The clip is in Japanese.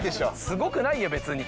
すごくないよ別に。